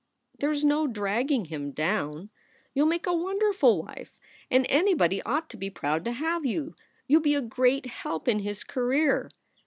"There s no dragging him down. You ll make a wonder ful wife and anybody ought to be proud to have you. You ll be a great help in his career."